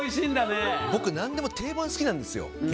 僕、何でも定番が好きなんですよ。